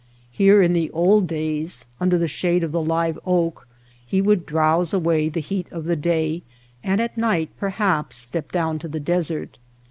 Here in the old days under the shade of the live oak he would drowse away the heat of the day and at night perhaps step down to the desert.